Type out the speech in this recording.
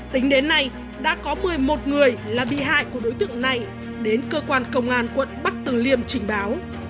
tính đến nay đã có một mươi một người là bị hại của đối tượng này đến cơ quan công an quận bắc từ liêm trình báo